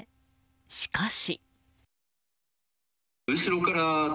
しかし。